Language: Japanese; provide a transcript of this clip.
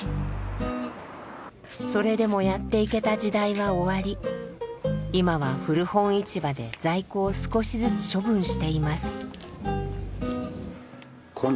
それでもやっていけた時代は終わり今は古本市場で在庫を少しずつ処分しています。